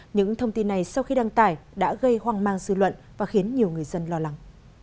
những thông tin này sau khi đăng tải đã gây hoang mang dư luận và khiến nhiều người dân lo lắng